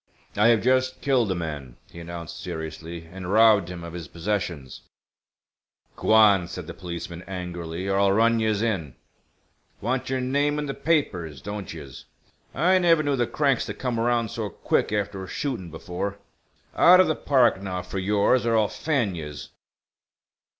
"I have just killed a man," he announced, seriously, "and robbed him of his possessions." "G'wan," said the policeman, angrily, "or I'll run yez in! Want yer name in the papers, don't yez? I never knew the cranks to come around so quick after a shootin' before. Out of th' park, now, for yours, or I'll fan yez."